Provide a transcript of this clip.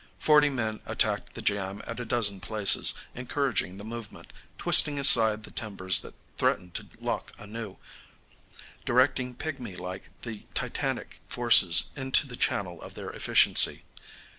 Forty men attacked the jam at a dozen places, encouraging the movement, twisting aside the timbers that threatened to lock anew, directing pigmy like the titanic forces into the channel of their efficiency.